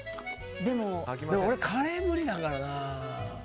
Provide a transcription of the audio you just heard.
俺、カレーは無理だからな。